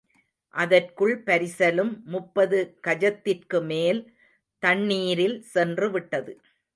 அதற்குள் பரிசலும் முப்பது கஜத்திற்குமேல் தண்ணீரில் சென்றுவிட்டது.